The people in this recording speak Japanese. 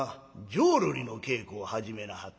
浄瑠璃の稽古を始めなはったな。